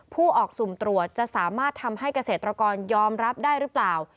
ผู้ออกสุ่มตรวจจะสามารถทำให้เกษตรกรยอมรับได้หรือเปล่า